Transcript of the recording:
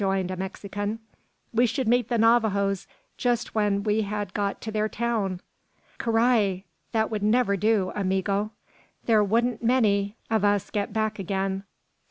rejoined a Mexican; "we should meet the Navajoes just when we had got to their town! Carrai! that would never do, amigo. There wouldn't many, of us get back again.